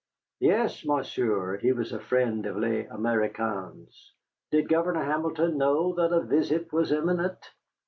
Yes, monsieur, he was a friend of les Américains. Did Governor Hamilton know that a visit was imminent?